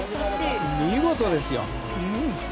見事ですよ。